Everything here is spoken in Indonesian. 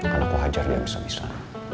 kan aku hajar dia bisa bisa